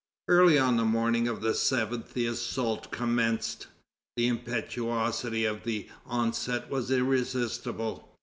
Early on the morning of the 7th the assault commenced. The impetuosity of the onset was irresistible.